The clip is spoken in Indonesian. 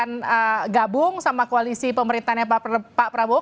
yang gabung sama koalisi pemerintahnya pak prabowo